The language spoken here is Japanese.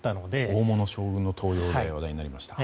大物将軍の登用で話題になりました。